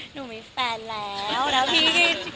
หนูมีแฟนแล้วแล้วพี่